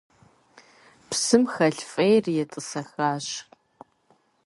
Псым хэлъ фӏейр етӏысэхащ.